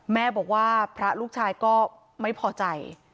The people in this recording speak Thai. แม่บอกว่าพระลูกชายก็ไม่พอใจ